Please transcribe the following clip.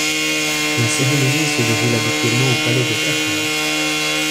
La cérémonie se déroule habituellement au palais de Carthage.